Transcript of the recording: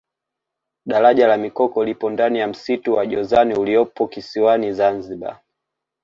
daraja la mikoko lipo ndani ya msitu wa jozani uliopo kisiwani zanzibar